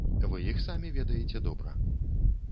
Вы іх самі ведаеце добра.